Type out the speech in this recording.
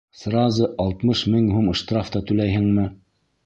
Сразы алтмыш мең һум штраф та түләйһеңме?